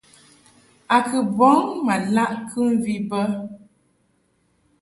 A kɨ bɔŋ ma laʼ kɨmvi bə.